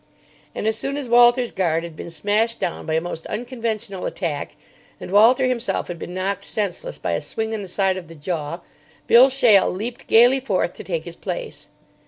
And as soon as Walter's guard had been smashed down by a most unconventional attack, and Walter himself had been knocked senseless by a swing on the side of the jaw, Bill Shale leaped gaily forth to take his place.